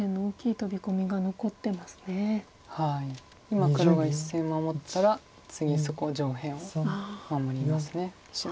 今黒が１線守ったら次そこ上辺を守ります白。